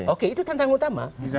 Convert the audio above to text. oke itu tantangan utama